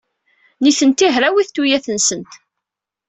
Nitenti hrawit tuyat-nsent.